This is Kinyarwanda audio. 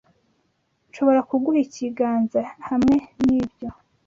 Nshobora kuguha ikiganza hamwe nibyo?